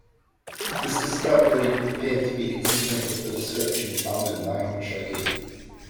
This discovery appeared to be consistent with the description found in "Nihon Shoki".